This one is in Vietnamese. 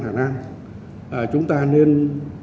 chúng ta nên rút kinh nghiệm để chúng ta làm tốt hơn những sự kiện khác